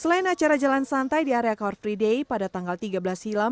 selain acara jalan santai di area khor fridei pada tanggal tiga belas hilang